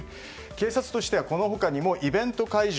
警察としてはこの他にもイベント会場